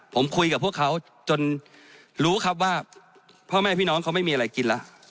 ผมคุยกับพวกเขาจนรู้ครับว่าพ่อแม่พี่น้องเขาไม่มีอะไรกินแล้ว